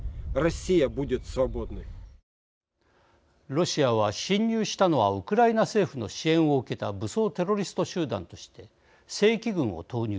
ロシアは、侵入したのはウクライナ政府の支援を受けた武装テロリスト集団として正規軍を投入。